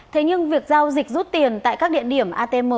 thế nhưng việc giao dịch rút tiền tại các địa điểm atm